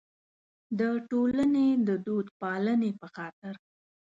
د ټولنې د دودپالنې په خاطر.